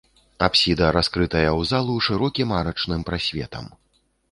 Апсіда раскрытая ў залу шырокім арачным прасветам.